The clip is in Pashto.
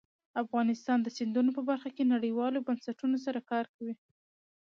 افغانستان د سیندونه په برخه کې نړیوالو بنسټونو سره کار کوي.